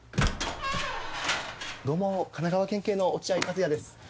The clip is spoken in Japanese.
どうも神奈川県警の落合和哉です。